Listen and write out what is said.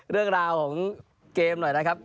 เรื่องราวของเกมหน่อยนะครับ